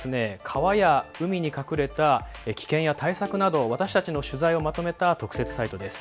川や海に隠れた危険や対策など、私たちの取材をまとめた特設サイトです。